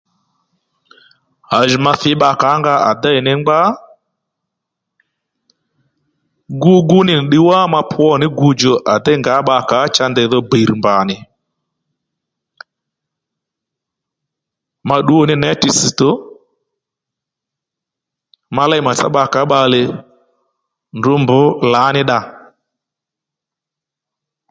À jì ma thǐy bbakǎ nga à děy ní ngbá gú-gú nì ddí wá ma pwǒní gudjò à déy ngǎ bbakǎ cha ndèy dho bèr mbà nì ma ddǔ ní nětì ss̀tǒ ma léy màtsá bbakǎ bbalè ndrǔ mbr lǎní dda